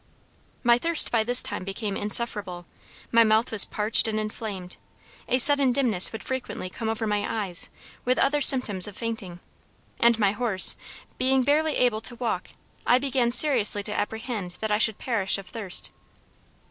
"My thirst by this time became insufferable; my mouth was parched and inflamed; a sudden dimness would frequently come over my eyes with other symptoms of fainting; and my horse, being barely able to walk, I began seriously to apprehend that I should perish of thirst.